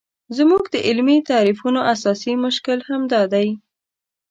زموږ د علمي تعریفونو اساسي مشکل همدا دی.